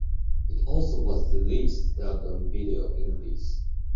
It also was released dubbed on video in Greece.